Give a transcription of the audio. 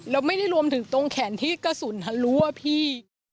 แล้วไม่ได้รวมถึงตรงแขนที่กระสุนทะลุอ่ะพี่